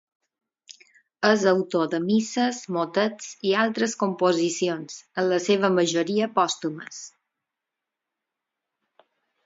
És autor de misses, motets i altres composicions, en la seva majori pòstumes.